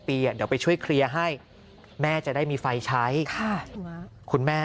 เดี๋ยวไปช่วยเคลียร์ให้แม่จะได้มีไฟใช้ค่ะคุณแม่